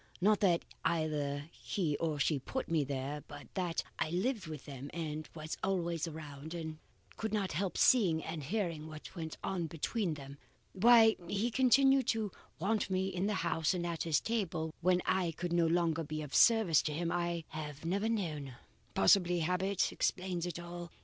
Not that either he or she put me there, but that I lived with them and was always around, and could not help seeing and hearing what went on between them. Why he continued to want me in the house and at his table, when I could no longer be of service to him, I have never known. Possibly habit explains all.